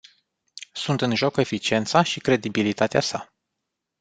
Sunt în joc eficiența și credibilitatea sa.